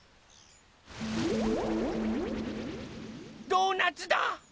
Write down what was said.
ドーナツだ！